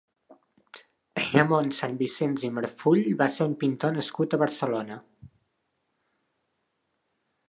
Ramon Sanvisens i Marfull va ser un pintor nascut a Barcelona.